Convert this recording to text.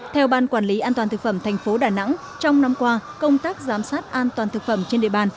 theo ban quản lý an toàn thực phẩm thành phố đà nẵng trong năm qua công tác giám sát an toàn thực phẩm trên địa bàn